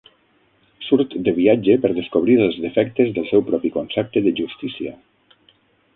Surt de viatge per descobrir els defectes del seu propi concepte de justícia.